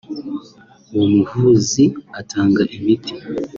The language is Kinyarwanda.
(Uwo muvuzi utanga imiti)